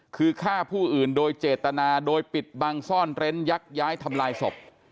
คือฆ่าผู้อื่นโดยเจตนาโดยปิดบังซ่อนเร้นยักย้ายทำลายศพ